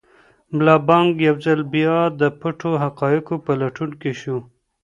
ملا بانګ یو ځل بیا د پټو حقایقو په لټون کې شو.